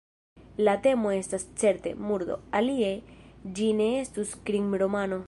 La temo estas, certe, murdo – alie ĝi ne estus krimromano.